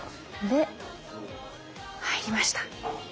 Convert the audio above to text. で入りました！